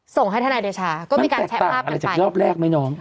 ส่งให้ธนายเดชาก็มีการแชะมากกันไปมันแตกต่างอะไรจากรอบแรกไหมน้อง